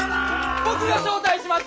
僕が招待しました！